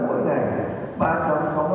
hội nhà báo thành phố